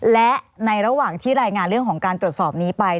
และในระหว่างที่รายงานเรื่องของการตรวจสอบนี้ไป